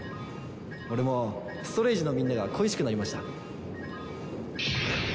俺もストレイジのみんなが恋しくなりました。